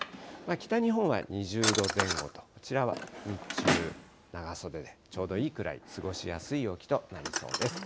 北日本は２０度前後と、こちらは日中、長袖でちょうどいいくらい、過ごしやすい陽気となりそうです。